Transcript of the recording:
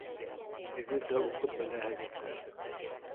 Үҙегеҙ ҙә уҡып беләһегеҙҙер